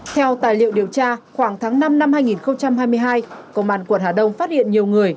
theo tài liệu điều tra khoảng tháng năm năm hai nghìn hai mươi hai công an quận hà đông phát hiện nhiều người